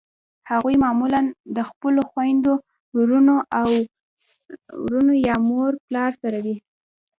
هغوی معمولأ د خپلو خویندو ورونو یا مور پلار سره وي.